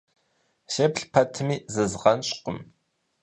Сеплъ пэтми, зызгъэнщӏкъым.